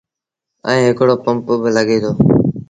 ائيٚݩ هڪڙو پمپ با لڳي دو۔